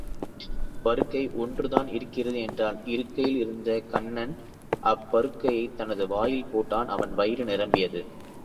பருக்கை ஒன்றுதான் இருக்கிறது என்றாள், இருக்கையில் இருந்து கண்ணன் அப்பருக்கையைத் தனது வாயில் போட்டான் அவன் வயிறு நிரம்பியது.